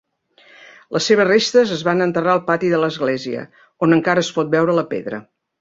Les seves restes es van enterrar al pati de l"església, on encara es pot veure la pedra.